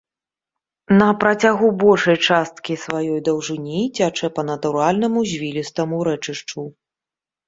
На працягу большай часткі сваёй даўжыні цячэ па натуральнаму звілістаму рэчышчу.